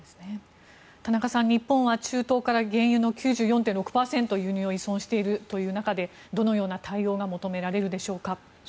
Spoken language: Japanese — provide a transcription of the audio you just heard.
田中さん日本は中東から原油を９６．４％輸入を依存している中でどのような対応が求められるでしょうか。